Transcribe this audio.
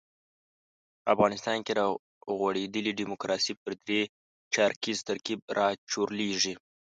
په افغانستان کې را غوړېدلې ډیموکراسي پر درې چارکیز ترکیب راچورلېږي.